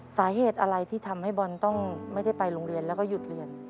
สาเหตุอะไรที่ทำให้บอลต้องไม่ได้ไปโรงเรียนแล้วก็หยุดเรียน